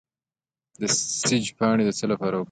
د سیج پاڼې د څه لپاره وکاروم؟